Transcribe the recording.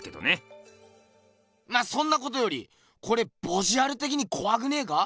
まあそんなことよりこれボジュアルてきにこわくねえか？